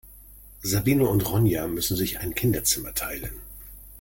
Sabine und Ronja müssen sich ein Kinderzimmer teilen.